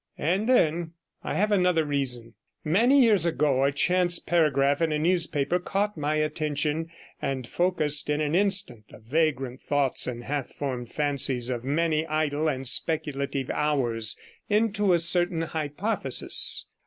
And then I have another reason: Many years ago a chance paragraph in a newspaper caught my attention, and focussed in an instant the vagrant thoughts and half formed fancies of many idle and speculative hours into a certain hypothesis.